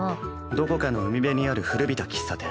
どこかの海辺にある古びた喫茶店。